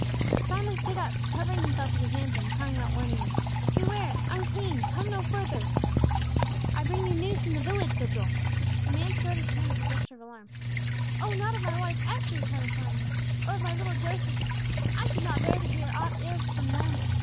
Simon stood up, covering himself with his mantle, and crying out, warningly, "Beware! Unclean! Come no further!" "I bring you news from the village," said Joel. The man threw out his hand with a gesture of alarm. "Oh, not of my wife Esther," he cried, imploringly, "or of my little Joseph! I could not bear to hear aught of ill from them.